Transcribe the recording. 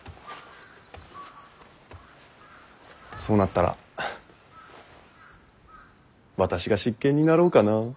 そうなったら私が執権になろうかなあ。